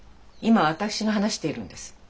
今は私が話しているんです